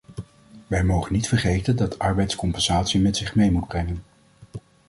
Wij mogen niet vergeten dat arbeid compensatie met zich mee moet brengen.